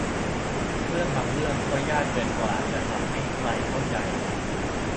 เรื่องบางเรื่องก็ยากเกินกว่าจะทำให้ใครเข้าใจ